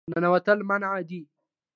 ننوتل منع دي